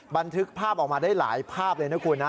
บันทึกภาพออกมาได้หลายภาพเลยนะคุณนะ